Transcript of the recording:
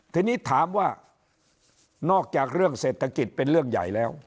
ทีนี้ถามว่านอกจากเรื่องเศรษฐกิจเป็นเรื่องใหญ่แล้ว